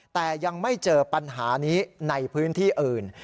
แต่ยังไม่เจอปัญหานี้ในพื้นที่อื่น